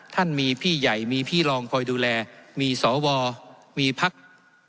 ท่านมีพี่ใหญ่มีพี่รองคอยดูแลมีสวมีพัก